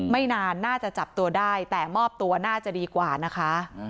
ไม่นานน่าจะจับตัวได้แต่มอบตัวน่าจะดีกว่านะคะ